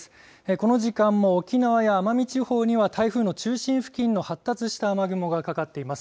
この時間も沖縄や奄美地方には台風の中心付近の発達した雨雲がかかっています。